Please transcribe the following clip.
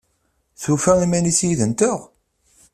Tufa iman-is yid-nteɣ?